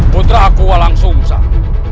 putra aku walang sungsah